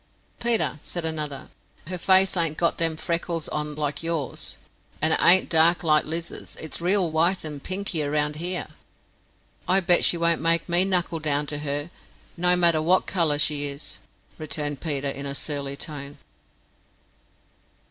"Peter," said another, "her face ain't got them freckles on like yours, and it ain't dark like Lizer's. It's reel wite, and pinky round here." "I bet she won't make me knuckle down to her, no matter wot colour she is," returned Peter, in a surly tone.